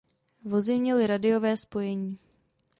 Vozy měly radiové spojení.